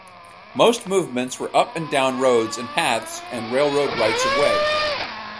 Most movements were up and down roads and paths and railroad rights-of-way.